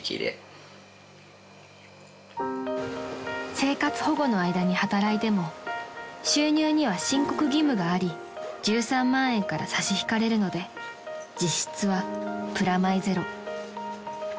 ［生活保護の間に働いても収入には申告義務があり１３万円から差し引かれるので実質はプラマイゼロ］